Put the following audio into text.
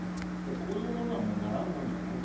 こういうものはもう習うもんじゃないと。